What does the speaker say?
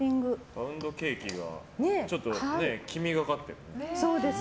パウンドケーキが黄みがかってる。